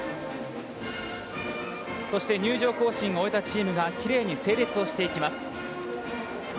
そして入場行進を終えた選手たちがきれいに整列をしていきます。